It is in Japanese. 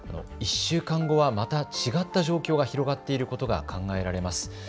１週間後はまた違った状況が広がっていることが考えられます。